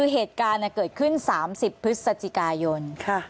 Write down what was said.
เหตุการณ์เกิดขึ้น๓๐พฤศจิกายน